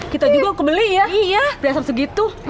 kita juga kebeli ya priasan segitu